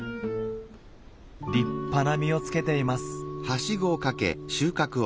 立派な実をつけています。